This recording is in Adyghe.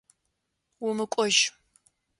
Умыкӏожь!